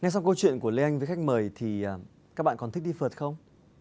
ngay sau câu chuyện của lê anh với khách mời thì các bạn còn thích đi phượt không